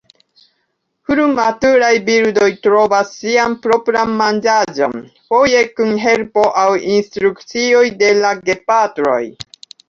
Frumaturaj birdoj trovas sian propran manĝaĵon, foje kun helpo aŭ instrukcioj de la gepatroj.